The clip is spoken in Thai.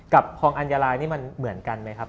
ทองอัญญาลายนี่มันเหมือนกันไหมครับ